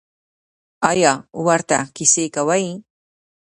ایا ورته کیسې کوئ؟